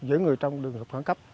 giữ người trong lưu lực khẩn cấp